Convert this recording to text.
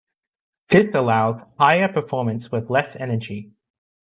This allows higher performance with less energy.